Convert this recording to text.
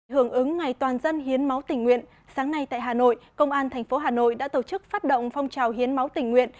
hưởng ứng ngày toàn dân hiến máu tình nguyện sáng nay tại hà nội công an tp hà nội đã tổ chức phát động phong trào hiến máu tình nguyện